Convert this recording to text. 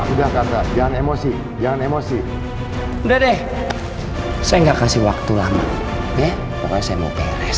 udah kata jangan emosi jangan emosi udah deh saya nggak kasih waktu lama ya pokoknya saya mau peres